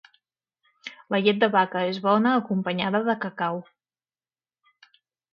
La llet de vaca és bona acompanyada de cacau.